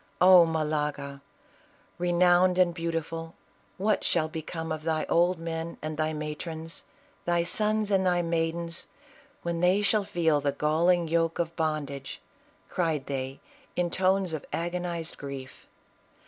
"Oh Malaga! renowned and beautiful, what shall become of thy old men and thy matrons, thy sons and thy maidens, when they shall feel the galling yoke of bondage," cried they, in tones of agonized grief.